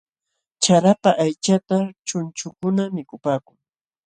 Charapa aychataśh chunchukuna mikupaakun.